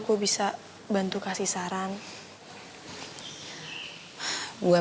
gue bisa bantu kasih saran hai